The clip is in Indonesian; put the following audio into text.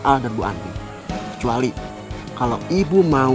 al dan beban kecuali kalau ibu mau